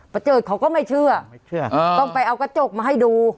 เจิดเขาก็ไม่เชื่อไม่เชื่อต้องไปเอากระจกมาให้ดู